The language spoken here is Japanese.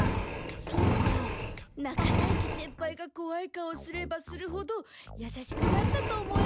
そうか中在家先輩がこわい顔をすればするほど優しくなったと思えばいいんだ。